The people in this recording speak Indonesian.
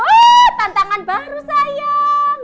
ah tantangan baru sayang